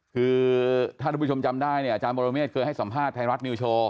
คือถ้าทุกผู้ชมจำได้เนี่ยอาจารย์บรเมฆเคยให้สัมภาษณ์ไทยรัฐนิวโชว์